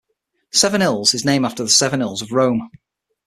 Seven Hills is named after the Seven Hills of Rome.